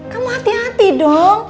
kamu hati hati dong